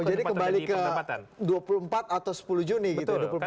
jadi kembali ke dua puluh empat atau sepuluh juni gitu ya